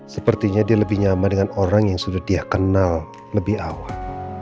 sepertinya dia lebih nyaman dengan orang yang sudah dia kenal lebih awal